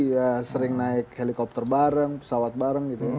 ya sering naik helikopter bareng pesawat bareng gitu